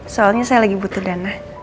soalnya saya lagi butuh dana